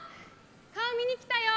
顔、見にきたよ。